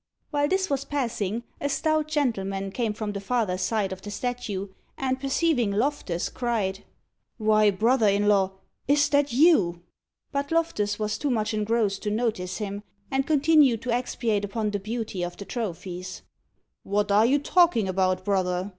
While this was passing, a stout gentleman came from the farther side of the statue, and perceiving Loftus, cried "Why, brother in law, is that you?" But Loftus was too much engrossed to notice him, and continued to expiate upon the beauty of the trophies. "What are you talking about, brother?"